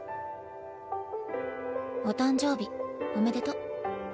お誕生日おめでと。